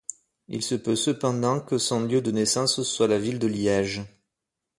Il se peut cependant que son lieu de naissance soit la ville de Liège.